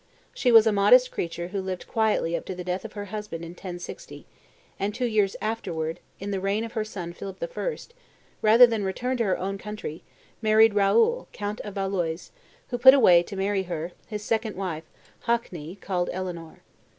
She was a modest creature who lived quietly up to the death of her husband in 1060, and, two years afterwards, in the reign of her son Philip I., rather than return to her own country, married Raoul, count of Valois, who put away, to marry her, his second wife, Haqueney, called Eleonore.